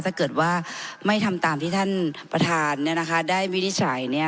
ถ้าเกิดว่าไม่ทำตามที่ท่านประทานเนี่ยนะคะได้วินิจฉัยเนี่ย